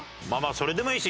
それでもいいし